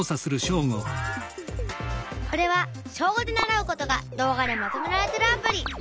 これは小５で習うことが動画でまとめられてるアプリ。